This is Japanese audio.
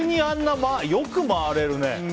よく回れるね。